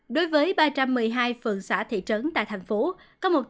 đối với ba trăm một mươi hai phường xã thị trấn tại tp hcm